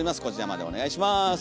こちらまでお願いします。